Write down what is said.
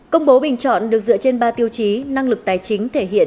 công bố bình chọn được dựa trên ba tiêu chí năng lực tài chính thể hiện